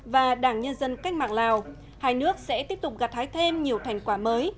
và đảng nhân dân cách mạng lào hai nước sẽ tiếp tục gạt hái thêm nhiều thành quả mới